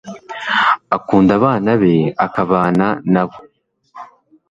akunda abana be akabana nabo